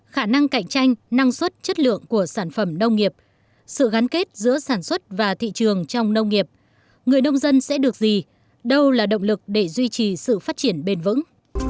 khả năng cạnh tranh năng suất chất lượng của sản phẩm nông nghiệp sự gắn kết giữa sản xuất và thị trường trong nông nghiệp người nông dân sẽ được gì đâu là động lực để duy trì sự phát triển bền vững